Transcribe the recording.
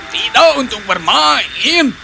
tidak untuk bermain